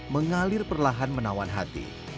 mengalir perlahan menawan hati